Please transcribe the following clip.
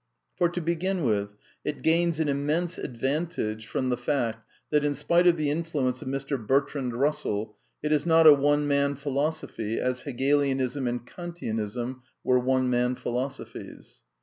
For, to begin with, it gains an im mense advantage from the fact that, in spite of the in fluence of Mr. Bertrand Russell, it is not a one man phi losophy as Hegelianism and Kantianism were one man philosophies.